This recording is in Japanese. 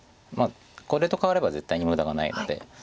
これと換われば絶対に無駄がないので。